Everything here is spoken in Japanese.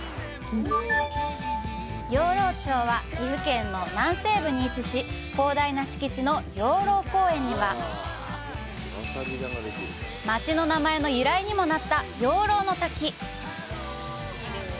養老町は、岐阜県の南西部に位置し、広大な敷地の「養老公園」には、町の名前の由来にもなった、「養老の滝」。